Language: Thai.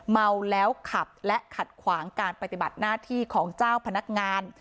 เมาแล้วขับและขัดขวางการปฏิบัติหน้าที่ของเจ้าพนักงาน